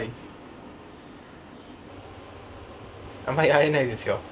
あんまり会えないですよ